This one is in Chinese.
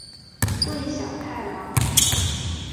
桂小太郎。